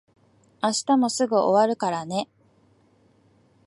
明日もすぐ終わるからね。